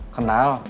kenal ga sengaja